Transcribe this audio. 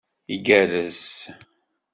Igerrez.